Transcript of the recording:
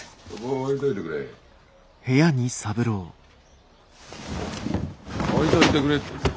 置いといてくれって。